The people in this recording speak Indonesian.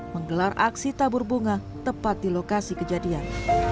menggelar aksi tabur bunga tepat di lokasi kejadian